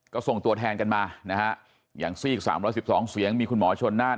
ก็ส่งตัวแทนกันมานะฮะอย่างซีก๓๑๒เสียงมีคุณหมอชนน่าน